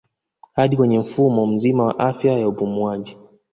Hadi kwenye mfumo mzima wa afya wa upumuaji